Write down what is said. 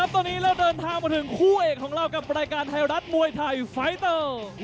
ตอนนี้เราเดินทางมาถึงคู่เอกของเรากับรายการไทยรัฐมวยไทยไฟเตอร์